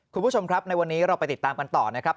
คุณผู้ชมครับในวันนี้เราไปติดตามกันต่อนะครับ